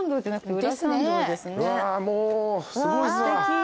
うわもうすごいっすわ。